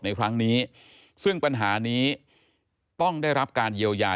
ในครั้งนี้ซึ่งปัญหานี้ต้องได้รับการเยียวยา